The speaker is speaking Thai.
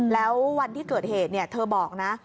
แล้ววันที่เกิดเหตุเธอบอกนะ